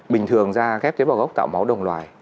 bình thường ra ghép tế bào gốc tạo máu đồng loài